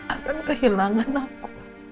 akan kehilangan aku